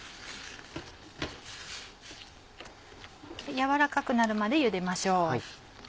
軟らかくなるまでゆでましょう。